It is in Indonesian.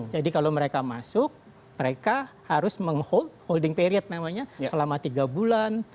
jadi kalau mereka masuk mereka harus meng hold holding period namanya selama tiga bulan